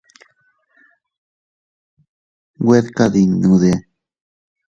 Güed kadinnudi.